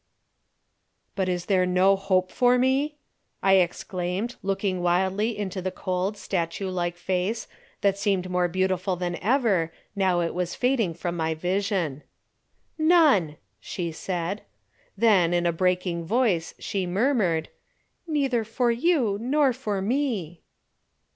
"But is there no hope for me?" I exclaimed, looking wildly into the cold, statue like face, that seemed more beautiful than ever, now it was fading from my vision. "None," she said. Then, in a breaking voice, she murmured, "Neither for you nor for me."